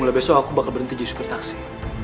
mulai besok aku bakal berhenti jadi super taksi